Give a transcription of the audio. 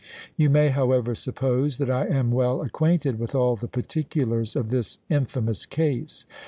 You may, however, suppose that I am well acquainted with all the particulars of this infamous case.